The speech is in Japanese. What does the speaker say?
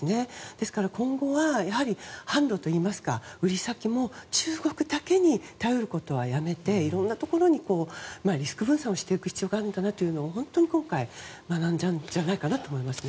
ですから今後はやはり販路といいますか売り先も中国だけに頼ることはやめていろんなところにリスク分散をしていく必要があるんだなというのを本当に今回学んだんじゃないかなと思います。